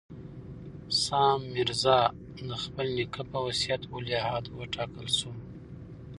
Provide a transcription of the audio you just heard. سام میرزا د خپل نیکه په وصیت ولیعهد وټاکل شو.